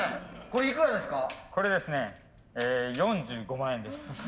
これですね４５万円です。